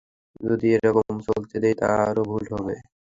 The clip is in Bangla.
যদি এরকম চলতে দিই, আরও ভুল হবে।